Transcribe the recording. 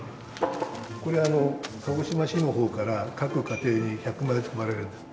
これあの鹿児島市の方から各家庭に１００枚ずつ配られるんです。